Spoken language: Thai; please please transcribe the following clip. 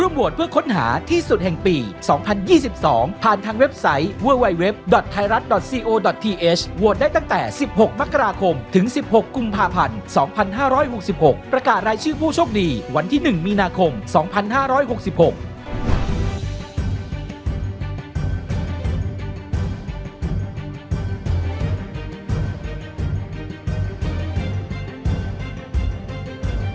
มีความเย็นพอหรือยังท่านผู้ชมครับ